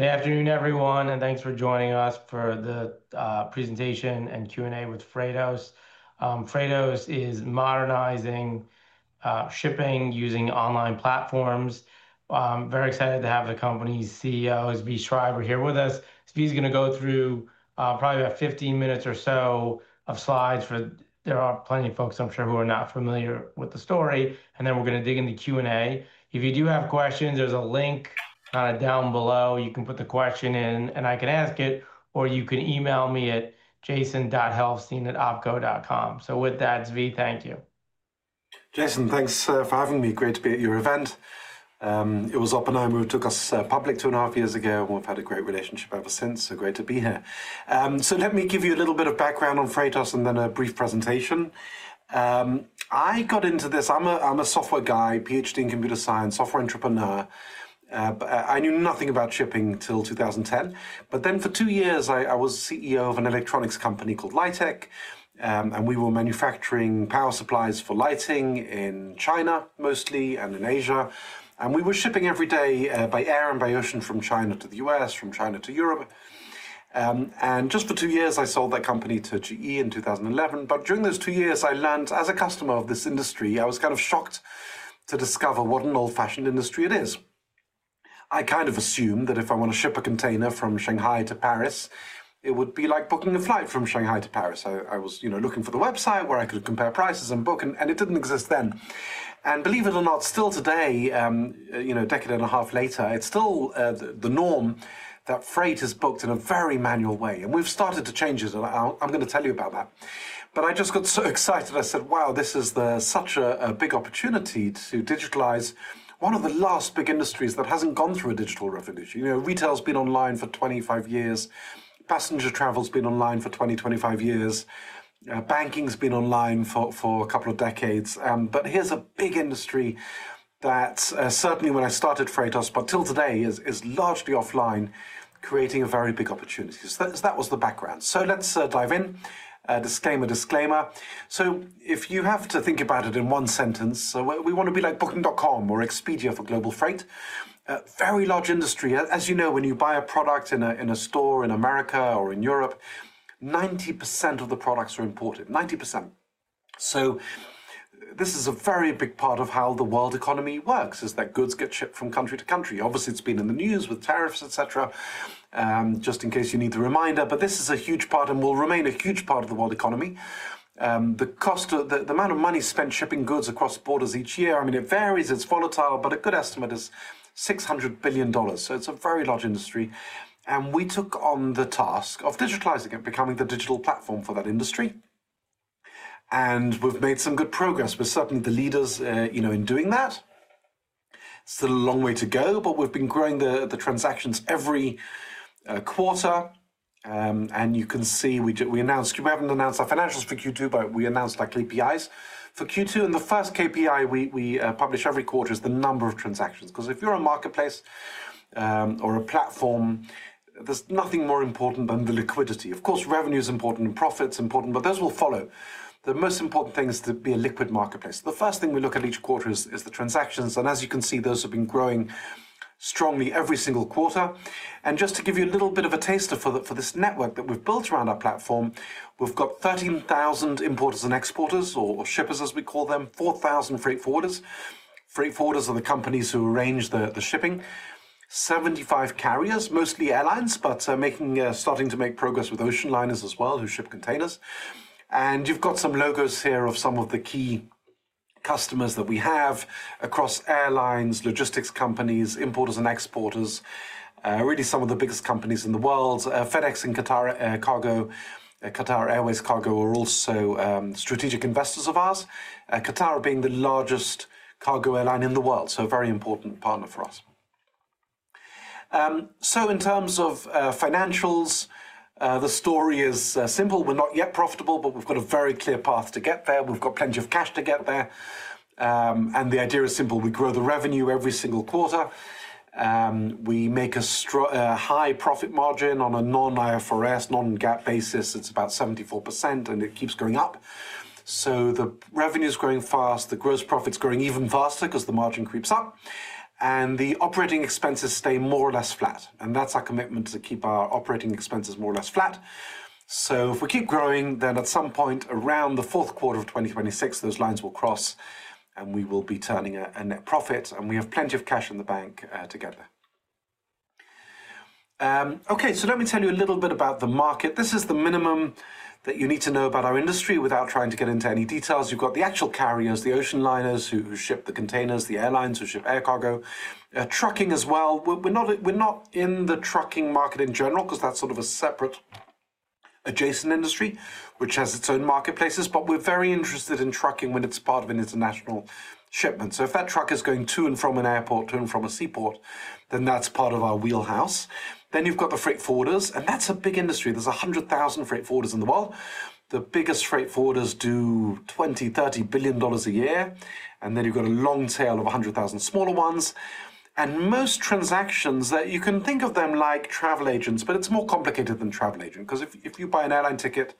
Good afternoon, everyone, and thanks for joining us for the presentation and Q&A with Freightos. Freightos is modernizing shipping using online platforms. I'm very excited to have the company's CEO, Zvi Schreiber, here with us. Zvi is going to go through probably about 15 minutes or so of slides for there are plenty of folks, I'm sure, who are not familiar with the story. We're going to dig into Q&A. If you do have questions, there's a link down below. You can put the question in and I can ask it, or you can email me at jason.helstein@opco.com. With that, Zvi, thank you. Jason, thanks for having me. Great to be at your event. It was Oppenheimer. It took us public two and a half years ago, and we've had a great relationship ever since. Great to be here. Let me give you a little bit of background on Freightos and then a brief presentation. I got into this. I'm a software guy, PhD in computer science, software entrepreneur. I knew nothing about shipping till 2010. For two years, I was CEO of an electronics company called Lightech. We were manufacturing power supplies for lighting in China mostly and in Asia. We were shipping every day by air and by ocean from China to the U.S., from China to Europe. For two years, I sold that company to GE in 2011. During those two years, I learned as a customer of this industry, I was kind of shocked to discover what an old-fashioned industry it is. I kind of assumed that if I want to ship a container from Shanghai to Paris, it would be like booking a flight from Shanghai to Paris. I was looking for the website where I could compare prices and book, and it didn't exist then. Believe it or not, still today, a decade and a half later, it's still the norm that freight is booked in a very manual way. We've started to change it. I'm going to tell you about that. I just got so excited. I said, wow, this is such a big opportunity to digitalize one of the last big industries that hasn't gone through a digital revolution. Retail has been online for 25 years. Passenger travel has been online for 20, 25 years. Banking has been online for a couple of decades. Here's a big industry that certainly when I started Freightos, but till today is largely offline, creating a very big opportunity. That was the background. Let's dive in. Disclaimer, disclaimer! If you have to think about it in one sentence, we want to be like Booking.com or Expedia for global freight. A very large industry. As you know, when you buy a product in a store in America or in Europe, 90% of the products are imported. 90%. This is a very big part of how the world economy works, is that goods get shipped from country to country. Obviously, it's been in the news with tariffs, et cetera, just in case you need a reminder. This is a huge part and will remain a huge part of the world economy. The cost of the amount of money spent shipping goods across borders each year, I mean, it varies. It's volatile, but a good estimate is $600 billion. It's a very large industry. We took on the task of digitalizing it, becoming the digital platform for that industry. We've made some good progress. We're certainly the leaders in doing that. It's still a long way to go, but we've been growing the transactions every quarter. You can see we announced we haven't announced our financials for Q2, but we announced our KPIs for Q2. The first KPI we publish every quarter is the number of transactions. If you're a marketplace or a platform, there's nothing more important than the liquidity. Of course, revenue is important. Profit is important. Those will follow. The most important thing is to be a liquid marketplace. The first thing we look at each quarter is the transactions. As you can see, those have been growing strongly every single quarter. Just to give you a little bit of a taste for this network that we've built around our platform, we've got 13,000 importers and exporters, or shippers as we call them, 4,000 freight forwarders. Freight forwarders are the companies who arrange the shipping. 75 carriers, mostly airlines, but starting to make progress with ocean liners as well, who ship containers. You've got some logos here of some of the key customers that we have across airlines, logistics companies, importers, and exporters, really some of the biggest companies in the world. FedEx and Qatar Airways Cargo are also strategic investors of ours, Qatar being the largest cargo airline in the world. A very important partner for us. In terms of financials, the story is simple. We're not yet profitable, but we've got a very clear path to get there. We've got plenty of cash to get there. The idea is simple. We grow the revenue every single quarter. We make a high profit margin on a non-IFRS, non-GAAP basis. It's about 74%, and it keeps going up. The revenue is growing fast. The gross profit is growing even faster because the margin creeps up. The operating expenses stay more or less flat. That's our commitment to keep our operating expenses more or less flat. If we keep growing, then at some point around the fourth quarter of 2026, those lines will cross, and we will be turning a net profit. We have plenty of cash in the bank to get there. Let me tell you a little bit about the market. This is the minimum that you need to know about our industry without trying to get into any details. You've got the actual carriers, the ocean liners who ship the containers, the airlines who ship air cargo, trucking as well. We're not in the trucking market in general because that's sort of a separate adjacent industry, which has its own marketplaces. We're very interested in trucking when it's part of an international shipment. If that truck is going to and from an airport, to and from a seaport, then that's part of our wheelhouse. You've got the freight forwarders, and that's a big industry. There are 100,000 freight forwarders in the world. The biggest freight forwarders do $20 billion, $30 billion a year. You've got a long tail of 100,000 smaller ones. Most transactions, you can think of them like travel agents, but it's more complicated than travel agents. If you buy an airline ticket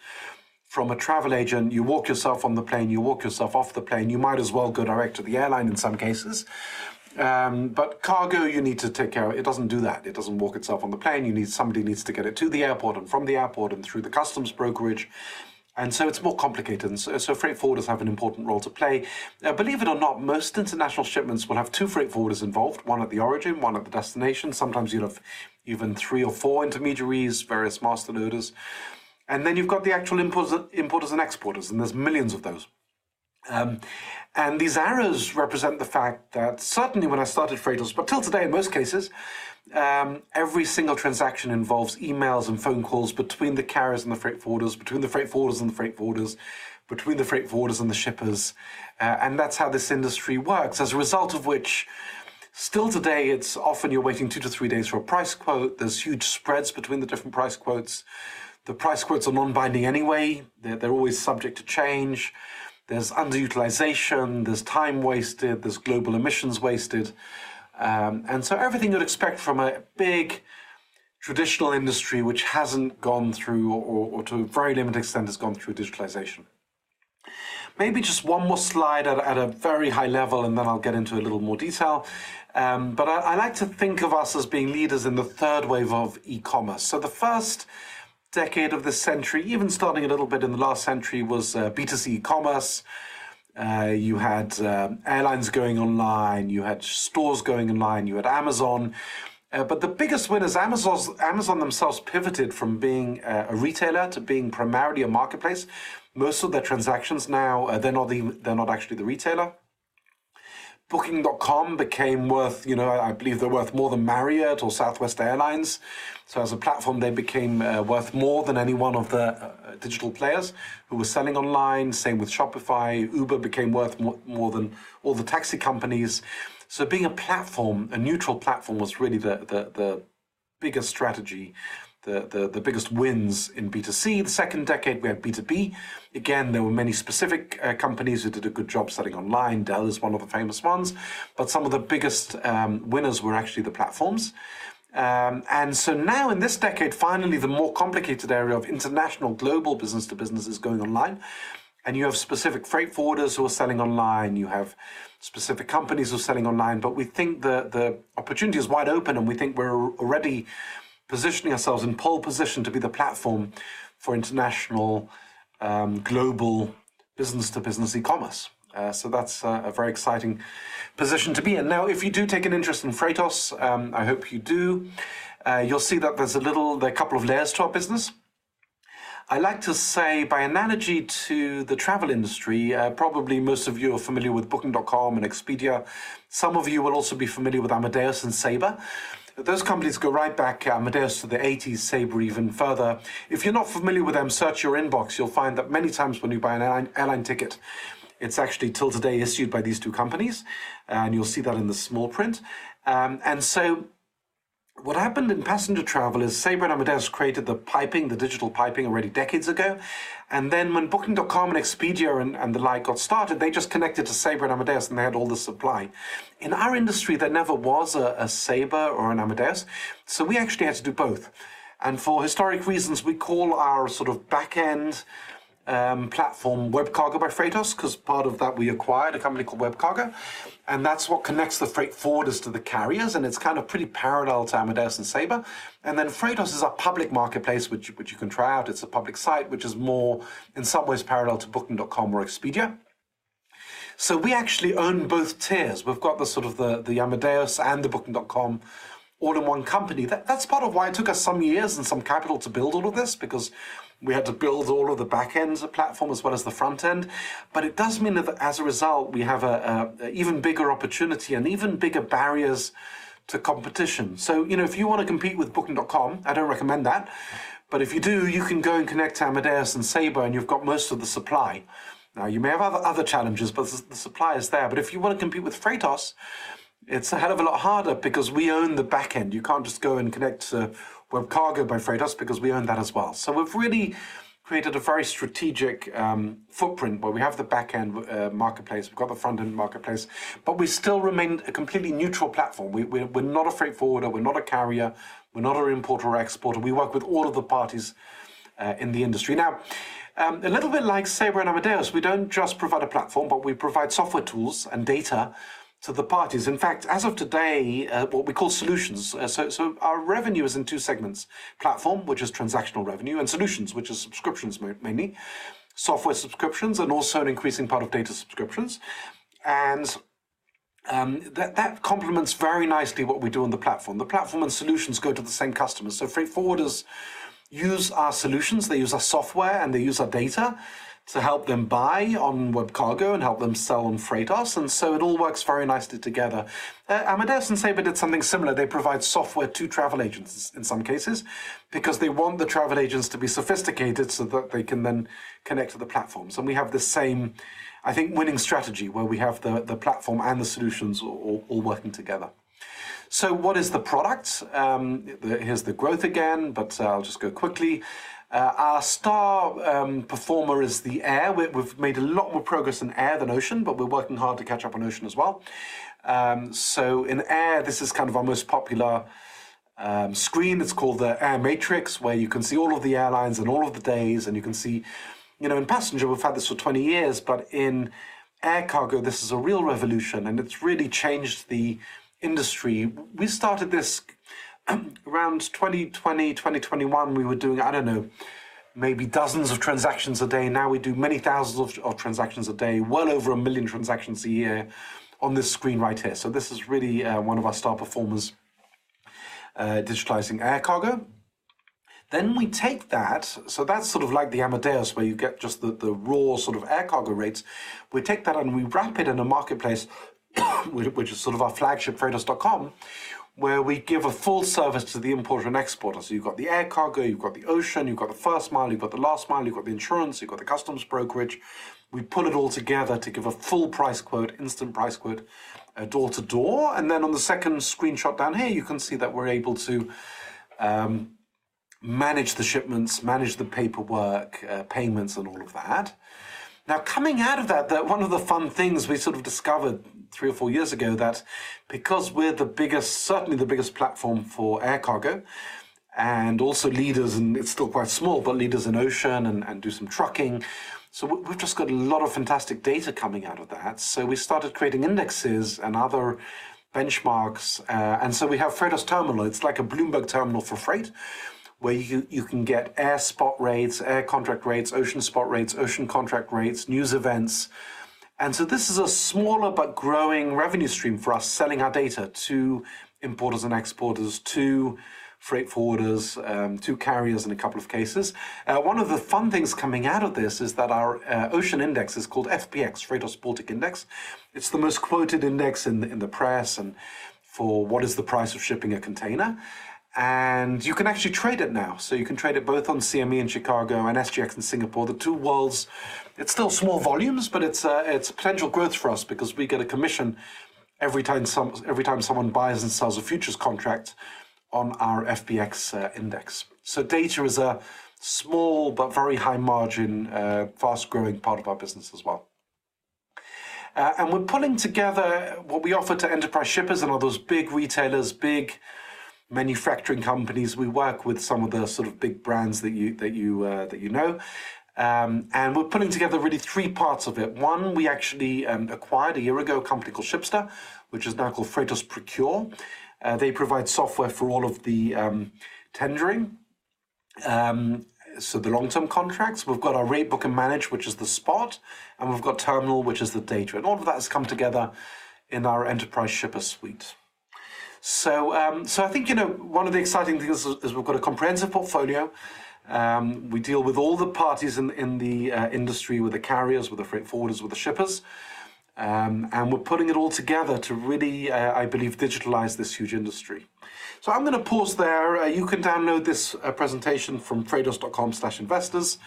from a travel agent, you walk yourself on the plane, you walk yourself off the plane, you might as well go direct to the airline in some cases. Cargo, you need to take care of it. It doesn't do that. It doesn't walk itself on the plane. Somebody needs to get it to the airport and from the airport and through the customs brokerage. It's more complicated. Freight forwarders have an important role to play. Believe it or not, most international shipments will have two freight forwarders involved, one at the origin, one at the destination. Sometimes you'll have even three or four intermediaries, various master loaders. You've got the actual importers and exporters, and there are millions of those. These arrows represent the fact that certainly when I started Freightos, but till today in most cases, every single transaction involves emails and phone calls between the carriers and the freight forwarders, between the freight forwarders and the freight forwarders, between the freight forwarders and the shippers. That's how this industry works. As a result, still today, often you're waiting two to three days for a price quote. There are huge spreads between the different price quotes. The price quotes are non-binding anyway. They're always subject to change. There's underutilization. There's time wasted. There's global emissions wasted. Everything you'd expect from a big traditional industry which hasn't gone through, or to a very limited extent has gone through, digitalization. Maybe just one more slide at a very high level, then I'll get into a little more detail. I like to think of us as being leaders in the third wave of e-commerce. The first decade of this century, even starting a little bit in the last century, was B2C e-commerce. You had airlines going online. You had stores going online. You had Amazon. The biggest winners, Amazon themselves pivoted from being a retailer to being primarily a marketplace. Most of their transactions now, they're not actually the retailer. Booking.com became worth, you know, I believe they're worth more than Marriott or Southwest Airlines. As a platform, they became worth more than any one of the digital players who were selling online. Same with Shopify. Uber became worth more than all the taxi companies. Being a platform, a neutral platform, was really the biggest strategy, the biggest wins in B2C. The second decade, we had B2B. There were many specific companies who did a good job selling online. Dell is one of the famous ones. Some of the biggest winners were actually the platforms. Now in this decade, finally, the more complicated area of international global business-to-business is going online. You have specific freight forwarders who are selling online. You have specific companies who are selling online. We think the opportunity is wide open, and we think we're already positioning ourselves in pole position to be the platform for international global business-to-business e-commerce. That's a very exciting position to be. If you do take an interest in Freightos, I hope you do, you'll see that there's a little a couple of layers to our business. I like to say, by analogy to the travel industry, probably most of you are familiar with Booking.com and Expedia. Some of you will also be familiar with Amadeus and Sabre. Those companies go right back, Amadeus, to the 1980s, Sabre even further. If you're not familiar with them, search your inbox. You'll find that many times when you buy an airline ticket, it's actually till today issued by these two companies. You'll see that in the small print. What happened in passenger travel is Sabre and Amadeus created the piping, the digital piping, already decades ago. When Booking.com and Expedia and the like got started, they just connected to Sabre and Amadeus, and they had all the supply. In our industry, there never was a Sabre or an Amadeus. We actually had to do both. For historic reasons, we call our sort of back-end platform WebCargo by Freightos because part of that we acquired, a company called WebCargo. That's what connects the freight forwarders to the carriers. It's pretty parallel to Amadeus and Sabre. Freightos is our public marketplace, which you can try out. It's a public site, which is more in some ways parallel to Booking.com or Expedia. We actually own both tiers. We've got the sort of the Amadeus and the Booking.com all in one company. That's part of why it took us some years and some capital to build all of this, because we had to build all of the back ends of the platform as well as the front end. It does mean that as a result, we have an even bigger opportunity and even bigger barriers to competition. If you want to compete with Booking.com, I don't recommend that. If you do, you can go and connect to Amadeus and Sabre, and you've got most of the supply. You may have other challenges, but the supply is there. If you want to compete with Freightos, it's a hell of a lot harder because we own the back end. You can't just go and connect to WebCargo by Freightos because we own that as well. We've really created a very strategic footprint where we have the back-end marketplace. We've got the front-end marketplace. We still remain a completely neutral platform. We're not a freight forwarder. We're not a carrier. We're not an importer or exporter. We work with all of the parties in the industry. A little bit like Sabre and Amadeus, we don't just provide a platform, but we provide software tools and data to the parties. In fact, as of today, what we call solutions. Our revenue is in two segments: platform, which is transactional revenue, and solutions, which is subscriptions mainly. Software subscriptions and also an increasing part of data subscriptions. That complements very nicely what we do on the platform. The platform and solutions go to the same customer. Freight forwarders use our solutions. They use our software, and they use our data to help them buy on WebCargo and help them sell on Freightos. It all works very nicely together. Amadeus and Sabre did something similar. They provide software to travel agencies in some cases because they want the travel agents to be sophisticated so that they can then connect to the platform. We have the same, I think, winning strategy where we have the platform and the solutions all working together. What is the product? Here's the growth again, but I'll just go quickly. Our star performer is the air. We've made a lot more progress in air than ocean, but we're working hard to catch up on ocean as well. In air, this is kind of our most popular screen. It's called the air matrix, where you can see all of the airlines and all of the days. You can see, you know, in passenger, we've had this for 20 years, but in air cargo, this is a real revolution. It's really changed the industry. We started this around 2020, 2021. We were doing, I don't know, maybe dozens of transactions a day. Now we do many thousands of transactions a day, well over a million transactions a year on this screen right here. This is really one of our star performers, digitizing air cargo. We take that. That's sort of like the Amadeus, where you get just the raw sort of air cargo rates. We take that and we wrap it in a marketplace, which is sort of our flagship, freightos.com, where we give a full service to the importer and exporter. You've got the air cargo, you've got the ocean, you've got the first mile, you've got the last mile, you've got the insurance, you've got the customs brokerage. We pull it all together to give a full price quote, instant price quote, door to door. On the second screenshot down here, you can see that we're able to manage the shipments, manage the paperwork, payments, and all of that. Coming out of that, one of the fun things we sort of discovered three or four years ago is that because we're the biggest, certainly the biggest platform for air cargo and also leaders, and it's still quite small, but leaders in ocean and do some trucking. We've just got a lot of fantastic data coming out of that. We started creating indexes and other benchmarks. We have Freightos Terminal. It's like a Bloomberg terminal for freight, where you can get air spot rates, air contract rates, ocean spot rates, ocean contract rates, news events. This is a smaller but growing revenue stream for us, selling our data to importers and exporters, to freight forwarders, to carriers in a couple of cases. One of the fun things coming out of this is that our ocean index is called FBX, Freightos Baltic Index. It's the most quoted index in the press for what is the price of shipping a container. You can actually trade it now. You can trade it both on CME in Chicago and SGX in Singapore, the two worlds. It's still small volumes, but it's potential growth for us because we get a commission every time someone buys and sells a futures contract on our FBX index. Data is a small but very high margin, fast-growing part of our business as well. We're pulling together what we offer to enterprise shippers and all those big retailers, big manufacturing companies. We work with some of the sort of big brands that you know. We're pulling together really three parts of it. One, we actually acquired a year ago a company called Shipsta, which is now called Freightos Procure. They provide software for all of the tendering, so the long-term contracts. We've got our Rate Book and Manage, which is the spot. We've got Terminal, which is the data. All of that has come together in our enterprise shipper suite. I think one of the exciting things is we've got a comprehensive portfolio. We deal with all the parties in the industry, with the carriers, with the freight forwarders, with the shippers. We're putting it all together to really, I believe, digitalize this huge industry. I'm going to pause there. You can download this presentation from freightos.com/investors.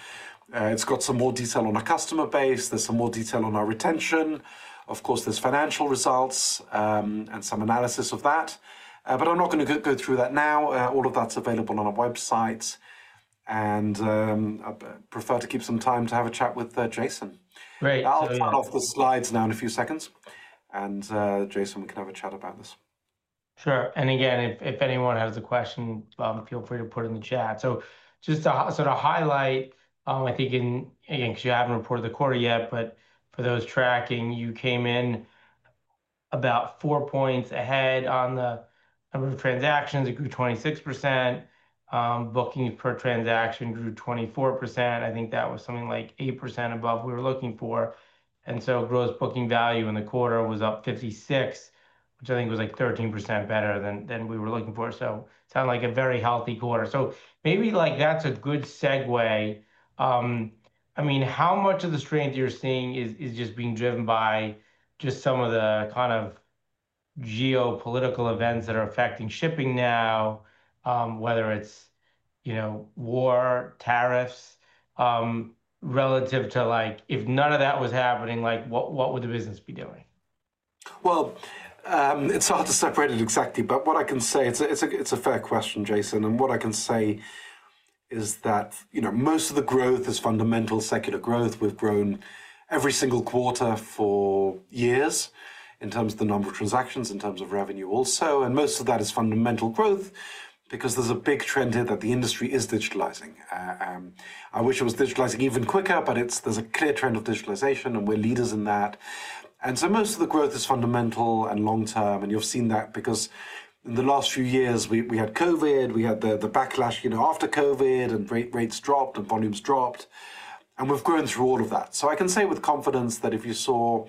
It's got some more detail on our customer base. There's some more detail on our retention. Of course, there's financial results and some analysis of that. I'm not going to go through that now. All of that's available on our website. I prefer to keep some time to have a chat with Jason. Great. I'll turn off the slides now in a few seconds. Jason, we can have a chat about this. Sure. If anyone has a question, feel free to put it in the chat. Just to sort of highlight, I think, because you haven't reported the quarter yet, but for those tracking, you came in about four points ahead on the number of transactions. It grew 26%. Booking per transaction grew 24%. I think that was something like 8% above what we were looking for. Gross booking value in the quarter was up 56%, which I think was like 13% better than we were looking for. It sounded like a very healthy quarter. Maybe that's a good segue. How much of the strength you're seeing is just being driven by some of the kind of geopolitical events that are affecting shipping now, whether it's war, tariffs, relative to if none of that was happening, what would the business be doing? It's hard to separate it exactly. What I can say, it's a fair question, Jason. What I can say is that most of the growth is fundamental secular growth. We've grown every single quarter for years in terms of the number of transactions, in terms of revenue also. Most of that is fundamental growth because there's a big trend here that the industry is digitalizing. I wish it was digitalizing even quicker, but there's a clear trend of digitalization, and we're leaders in that. Most of the growth is fundamental and long term. You've seen that because in the last few years, we had COVID. We had the backlash after COVID, and rates dropped, and volumes dropped. We've grown through all of that. I can say with confidence that if you saw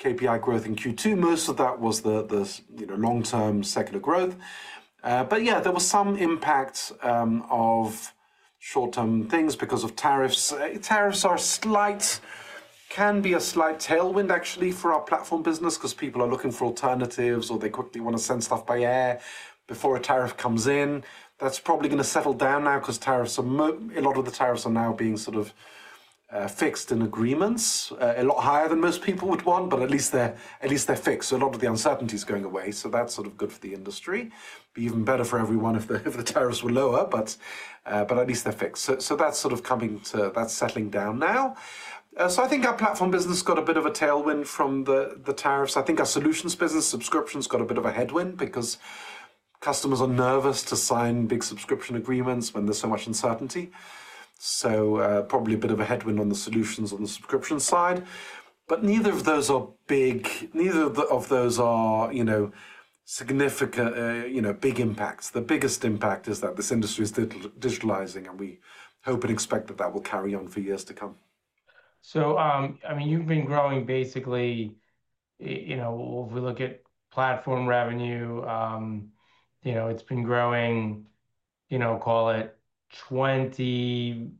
KPI growth in Q2, most of that was the long-term secular growth. There was some impact of short-term things because of tariffs. Tariffs can be a slight tailwind, actually, for our platform business because people are looking for alternatives, or they quickly want to send stuff by air before a tariff comes in. That's probably going to settle down now because a lot of the tariffs are now being sort of fixed in agreements, a lot higher than most people would want, but at least they're fixed. A lot of the uncertainty is going away. That's sort of good for the industry, even better for everyone if the tariffs were lower, but at least they're fixed. That's settling down now. I think our platform business got a bit of a tailwind from the tariffs. I think our solutions business, subscriptions, got a bit of a headwind because customers are nervous to sign big subscription agreements when there's so much uncertainty. Probably a bit of a headwind on the solutions and the subscription side. Neither of those are big, neither of those are significant, big impacts. The biggest impact is that this industry is digitalizing, and we hope and expect that that will carry on for years to come. I mean, you've been growing basically, you know, if we look at platform revenue, you know, it's been growing, you know, call it 20+,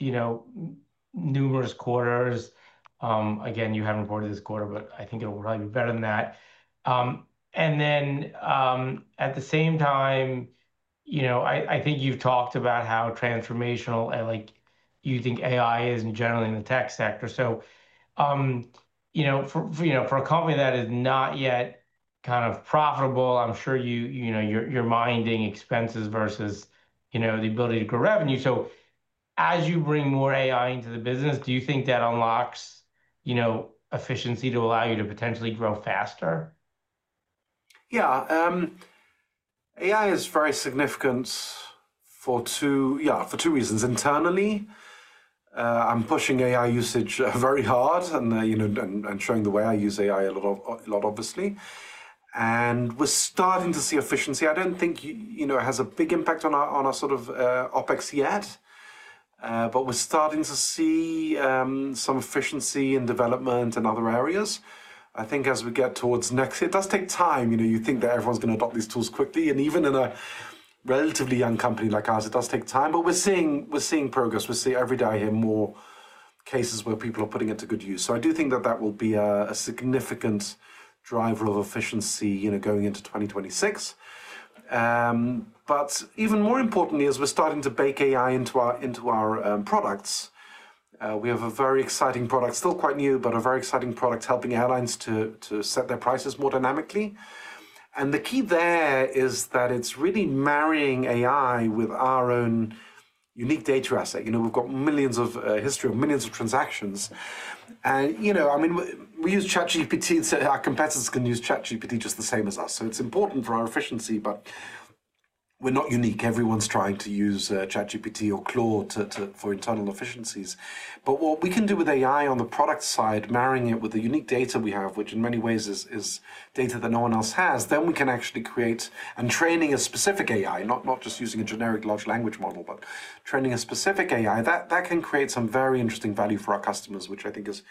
you know, numerous quarters. You haven't reported this quarter, but I think it'll probably be better than that. At the same time, you know, I think you've talked about how transformational, like you think AI is in generally in the tech sector. For a company that is not yet kind of profitable, I'm sure you're minding expenses versus, you know, the ability to grow revenue. As you bring more AI into the business, do you think that unlocks, you know, efficiency to allow you to potentially grow faster? Yeah. AI is very significant for two reasons. Internally, I'm pushing AI usage very hard and showing the way I use AI a lot, obviously. We're starting to see efficiency. I don't think it has a big impact on our sort of OpEx yet, but we're starting to see some efficiency in development and other areas. As we get towards next, it does take time. You think that everyone's going to adopt these tools quickly. Even in a relatively young company like ours, it does take time. We're seeing progress. We see every day here more cases where people are putting it to good use. I do think that will be a significant driver of efficiency going into 2026. Even more importantly, as we're starting to bake AI into our products, we have a very exciting product, still quite new, but a very exciting product helping airlines to set their prices more dynamically. The key there is that it's really marrying AI with our own unique data asset. We've got millions of history of millions of transactions. We use ChatGPT, so our competitors can use ChatGPT just the same as us. It's important for our efficiency, but we're not unique. Everyone's tried to use ChatGPT or Claude for internal efficiencies. What we can do with AI on the product side, marrying it with the unique data we have, which in many ways is data that no one else has, then we can actually create and train a specific AI, not just using a generic large language model, but training a specific AI. That can create some very interesting value for our customers, which I think is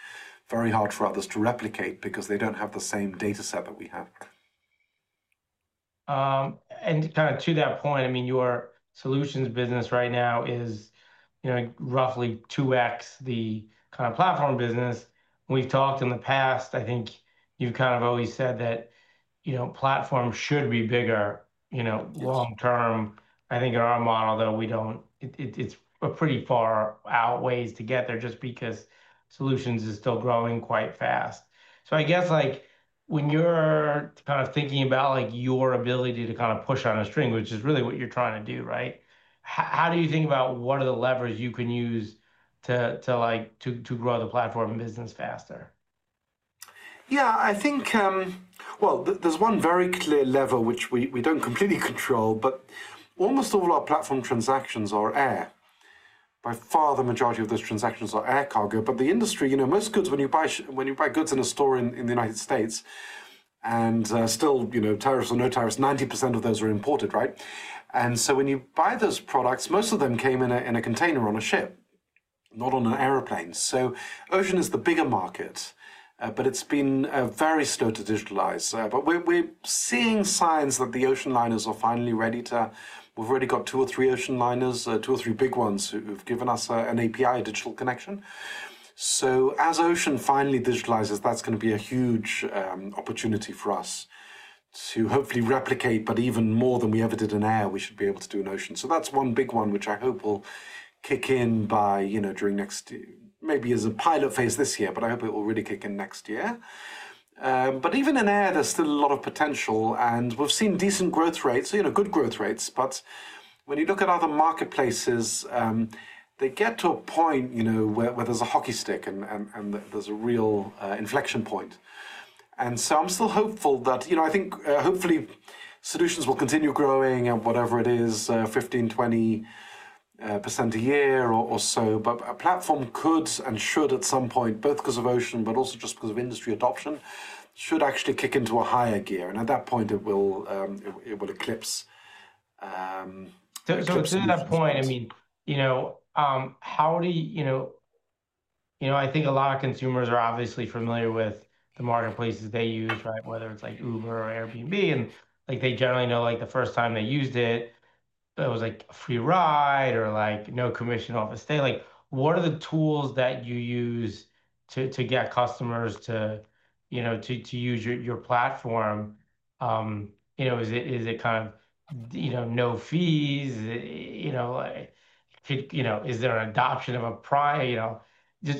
very hard for others to replicate because they don't have the same data set that we have. To that point, your solutions business right now is roughly 2x the platform business. We've talked in the past, I think you've always said that platforms should be bigger long term. I think in our model, though, we don't, it's a pretty far out ways to get there just because solutions are still growing quite fast. I guess when you're thinking about your ability to push on a string, which is really what you're trying to do, right? How do you think about what are the levers you can use to grow the platform and business faster? Yeah, I think there's one very clear lever which we don't completely control, but almost all our platform transactions are air. By far, the majority of those transactions are air cargo. The industry, you know, most goods, when you buy goods in a store in the United States, and still, you know, tariffs or no tariffs, 90% of those are imported, right? When you buy those products, most of them came in a container on a ship, not on an airplane. Ocean is the bigger market, but it's been very slow to digitalize. We're seeing signs that the ocean liners are finally ready to, we've already got two or three ocean liners, two or three big ones who've given us an API digital connection. As ocean finally digitalizes, that's going to be a huge opportunity for us to hopefully replicate, but even more than we ever did in air, we should be able to do in ocean. That's one big one, which I hope will kick in by, you know, during next, maybe as a pilot phase this year, but I hope it will really kick in next year. Even in air, there's still a lot of potential. We've seen decent growth rates, you know, good growth rates. When you look at other marketplaces, they get to a point, you know, where there's a hockey stick and there's a real inflection point. I'm still hopeful that, you know, I think hopefully solutions will continue growing at whatever it is, 15%, 20% a year or so. A platform could and should at some point, both because of ocean, but also just because of industry adoption, should actually kick into a higher gear. At that point, it will eclipse. To that point, I mean, how do you, I think a lot of consumers are obviously familiar with the marketplaces they use, right? Whether it's like Uber or Airbnb, and they generally know the first time they used it, it was like a free ride or like no commission on the stay. What are the tools that you use to get customers to use your platform? Is it kind of no fees? Is there an adoption of a prior?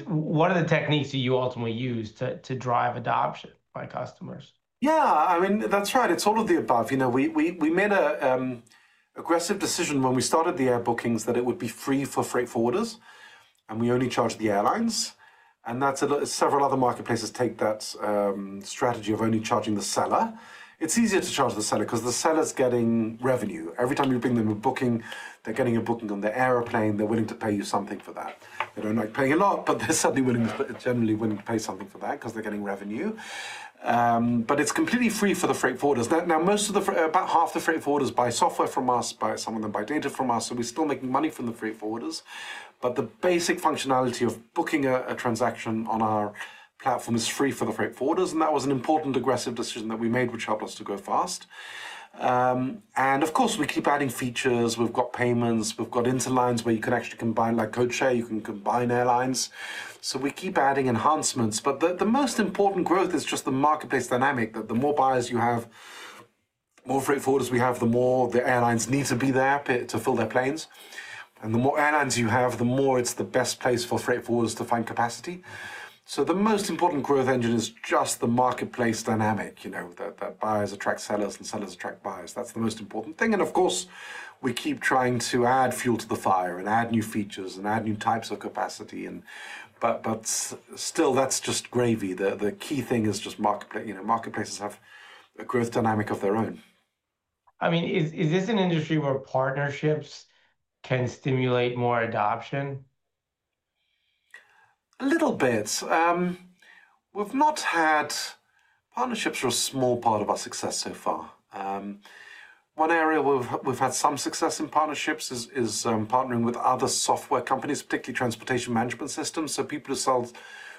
What are the techniques that you ultimately use to drive adoption by customers? Yeah, I mean, that's right. It's all of the above. We made an aggressive decision when we started the air bookings that it would be free for freight forwarders, and we only charge the airlines. Several other marketplaces take that strategy of only charging the seller. It's easier to charge the seller because the seller's getting revenue. Every time you bring them a booking, they're getting a booking on the airplane. They're willing to pay you something for that. They don't like paying a lot, but they're certainly willing to put it generally when you pay something for that because they're getting revenue. It's completely free for the freight forwarders. Now, about half the freight forwarders buy software from us, some of them buy data from us. We're still making money from the freight forwarders. The basic functionality of booking a transaction on our platform is free for the freight forwarders. That was an important aggressive decision that we made, which helped us to go fast. Of course, we keep adding features. We've got payments. We've got interlines where you can actually combine like code share. You can combine airlines. We keep adding enhancements. The most important growth is just the marketplace dynamic, that the more buyers you have, more freight forwarders we have, the more the airlines need to be there to fill their planes. The more airlines you have, the more it's the best place for freight forwarders to find capacity. The most important growth engine is just the marketplace dynamic, you know, that buyers attract sellers and sellers attract buyers. That's the most important thing. We keep trying to add fuel to the fire and add new features and add new types of capacity. Still, that's just gravy. The key thing is just marketplace. Marketplaces have a growth dynamic of their own. I mean, is this an industry where partnerships can stimulate more adoption? A little bit. Partnerships are a small part of our success so far. One area where we've had some success in partnerships is partnering with other software companies, particularly transportation management systems. People who sell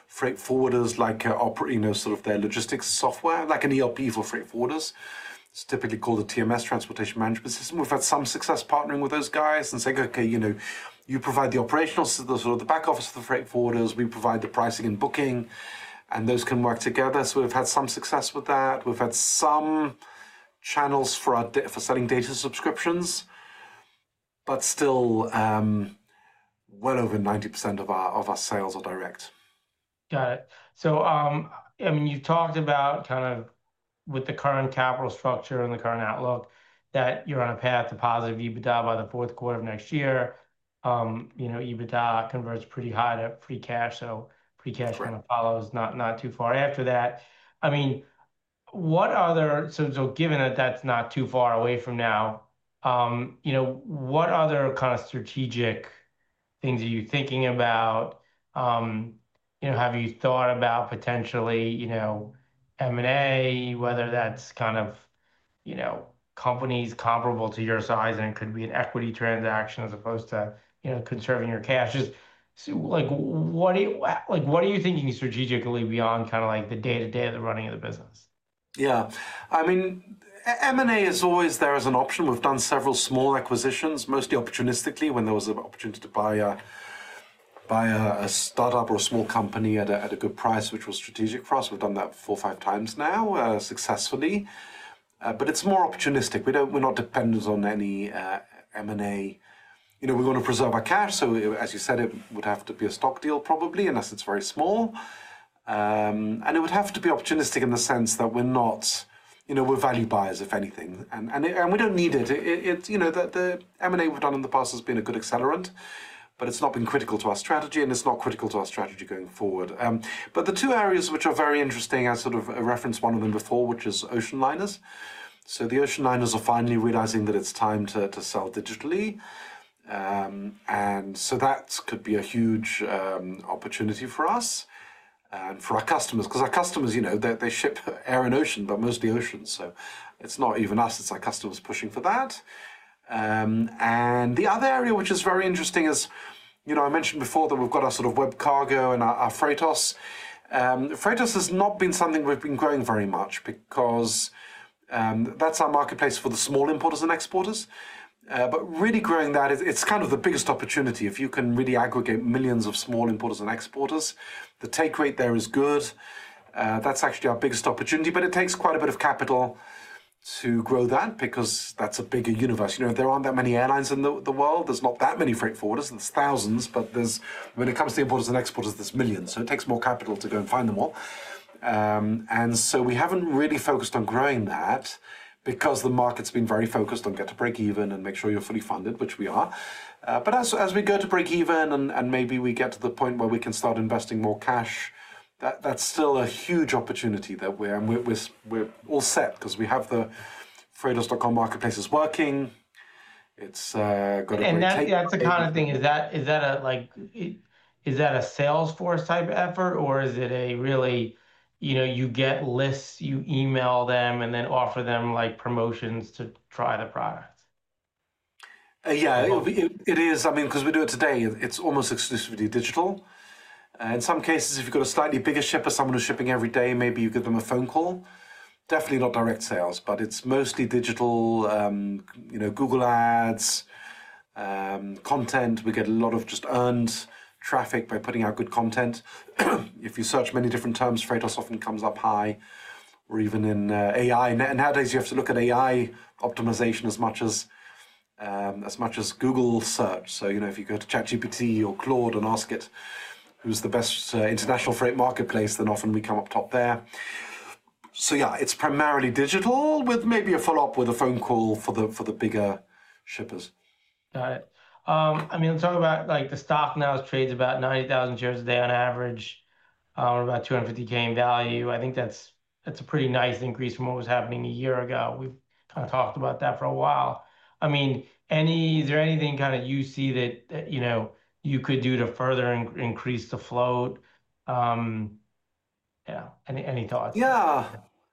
freight forwarders, like, you know, sort of their logistics software, like an ERP for freight forwarders. It's typically called the TMS, Transportation Management System. We've had some success partnering with those guys and saying, OK, you provide the operational, so the back office of the freight forwarders, we provide the pricing and booking, and those can work together. We've had some success with that. We've had some channels for selling data subscriptions, but still well over 90% of our sales are direct. Got it. You talked about with the current capital structure and the current outlook that you're on a path to positive EBITDA by the fourth quarter of next year. EBITDA converts pretty high to free cash, so free cash kind of follows not too far after that. Given that that's not too far away from now, what other kind of strategic things are you thinking about? Have you thought about potentially M&A, whether that's companies comparable to your size and could be an equity transaction as opposed to conserving your cash? What are you thinking strategically beyond the day-to-day of the running of the business? Yeah, I mean, M&A is always there as an option. We've done several small acquisitions, mostly opportunistically, when there was an opportunity to buy a startup or a small company at a good price, which was strategic for us. We've done that 4x or 5x now successfully. It is more opportunistic. We're not dependent on any M&A. You know, we want to preserve our cash. As you said, it would have to be a stock deal, probably, unless it's very small. It would have to be opportunistic in the sense that we're not, you know, we're value buyers, if anything. We don't need it. The M&A we've done in the past has been a good accelerant, but it's not been critical to our strategy, and it's not critical to our strategy going forward. The two areas which are very interesting, I sort of referenced one of them before, which is ocean liners. The ocean liners are finally realizing that it's time to sell digitally. That could be a huge opportunity for us and for our customers, because our customers, you know, they ship air and ocean, but mostly ocean. It's not even us. It's our customers pushing for that. The other area which is very interesting is, you know, I mentioned before that we've got our sort of WebCargo and our Freightos. Freightos has not been something we've been growing very much because that's our marketplace for the small importers and exporters. Really growing that, it's kind of the biggest opportunity. If you can really aggregate millions of small importers and exporters, the take rate there is good. That's actually our biggest opportunity. It takes quite a bit of capital to grow that because that's a bigger universe. There aren't that many airlines in the world. There's not that many freight forwarders. There's thousands. When it comes to importers and exporters, there's millions. It takes more capital to go and find them all. We haven't really focused on growing that because the market's been very focused on get to break even and make sure you're fully funded, which we are. As we go to break even and maybe we get to the point where we can start investing more cash, that's still a huge opportunity that we're in. We're all set because we have the freightos.com marketplace working. Is that a Salesforce type effort, or is it really, you get lists, you email them, and then offer them promotions to try the product? Yeah, it is. I mean, because we do it today, it's almost exclusively digital. In some cases, if you've got a slightly bigger shipper or someone who's shipping every day, maybe you give them a phone call. Definitely not direct sales, but it's mostly digital, you know, Google Ads, content. We get a lot of just earned traffic by putting out good content. If you search many different terms, Freightos often comes up high, or even in AI. Nowadays, you have to look at AI optimization as much as Google search. If you go to ChatGPT or Claude and ask it, who's the best international freight marketplace, then often we come up top there. It's primarily digital with maybe a follow-up with a phone call for the bigger shippers. Got it. I mean, let's talk about like the stock now trades about 90,000 shares a day on average, or about $250,000 in value. I think that's a pretty nice increase from what was happening a year ago. We kind of talked about that for a while. I mean, is there anything you see that you could do to further increase the float? Yeah, any thoughts? Yeah,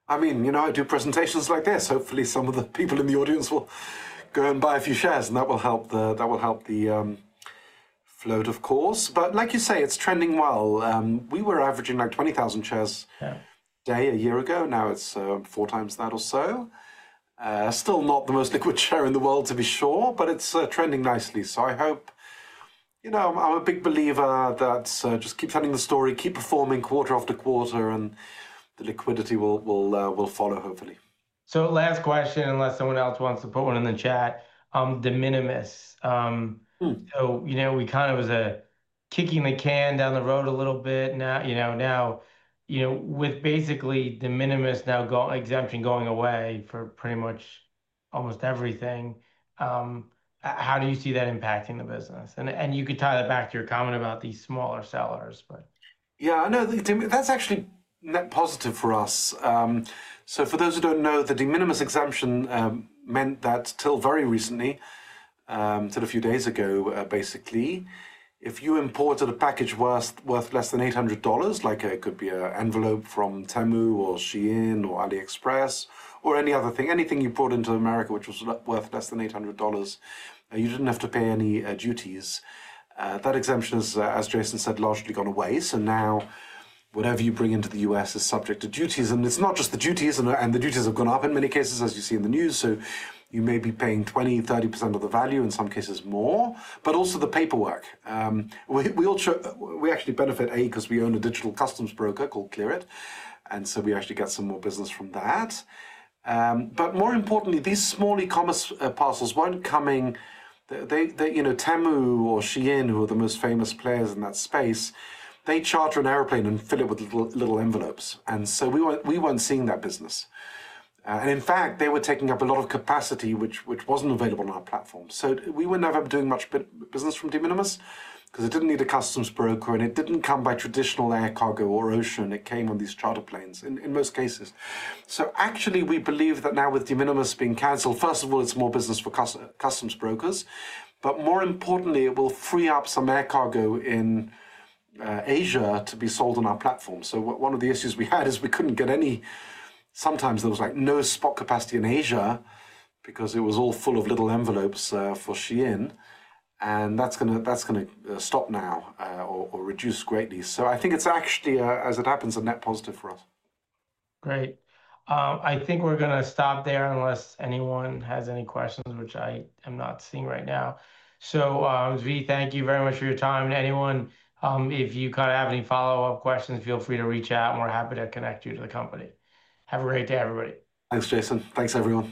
I mean, I do presentations like this. Hopefully, some of the people in the audience will go and buy a few shares, and that will help the float, of course. Like you say, it's trending well. We were averaging like 20,000 shares a day a year ago. Now it's four times that or so. Still not the most liquid share in the world, to be sure, but it's trending nicely. I hope, you know, I'm a big believer that just keep telling the story, keep performing quarter after quarter, and the liquidity will follow, hopefully. Last question, unless someone else wants to put one in the chat, De Minimis. We kind of was kicking the can down the road a little bit now, you know, now, you know, with basically De Minimis exemption going away for pretty much almost everything, how do you see that impacting the business? You could tie that back to your comment about these smaller sellers. Yeah, no, that's actually net positive for us. For those who don't know, the De Minimis exemption meant that until very recently, until a few days ago, basically, if you imported a package worth less than $800, like it could be an envelope from Temu or Shein or AliExpress or any other thing, anything you brought into the U.S. which was worth less than $800, you didn't have to pay any duties. That exemption is, as Jason said, largely gone away. Now whatever you bring into the U.S. is subject to duties. It's not just the duties, and the duties have gone up in many cases, as you see in the news. You may be paying 20%, 30% of the value, in some cases more, but also the paperwork. We actually benefit, A, because we own a digital customs broker called Clearit. We actually get some more business from that. More importantly, these small e-commerce parcels weren't coming. Temu or Shein, who are the most famous players in that space, they charter an airplane and fill it with little envelopes. We weren't seeing that business. In fact, they were taking up a lot of capacity, which wasn't available on our platform. We were never doing much business from De Minimis because it didn't need a customs broker, and it didn't come by traditional air cargo or ocean. It came on these charter planes in most cases. We believe that now with De Minimis being canceled, first of all, it's more business for customs brokers. More importantly, it will free up some air cargo in Asia to be sold on our platform. One of the issues we had is we couldn't get any, sometimes there was like no spot capacity in Asia because it was all full of little envelopes for Shein. That's going to stop now or reduce greatly. I think it's actually, as it happens, a net positive for us. Great. I think we're going to stop there unless anyone has any questions, which I am not seeing right now. Zvi, thank you very much for your time. Anyone, if you kind of have any follow-up questions, feel free to reach out, and we're happy to connect you to the company. Have a great day, everybody. Thanks, Jason. Thanks, everyone.